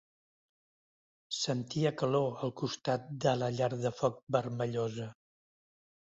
Sentia calor al costat de la llar de foc vermellosa.